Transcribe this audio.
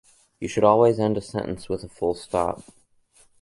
You should always end a sentence with a full stop.